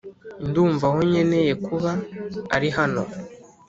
ndumva aho nkeneye kuba ari hano.